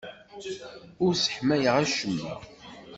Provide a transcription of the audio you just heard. Ur sseḥmayeɣ acemma.